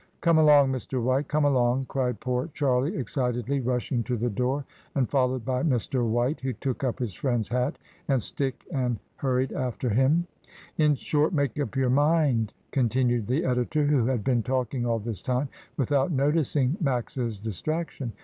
"Come along, Mr. White, come along," cried poor Charlie, excitedly, rushing to the door, and followed by Mr. White, who took up his friend's hat and stick and hurried after Imn. ''In short, make up your mind," continued the editor, who had been talking all this time without noticing Max's distraction.